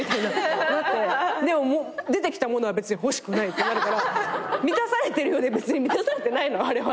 でも出てきた物は別に欲しくないってなるから満たされてるようで別に満たされてないのあれは。